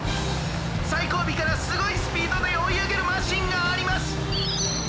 さいこうびからすごいスピードでおいあげるマシンがあります！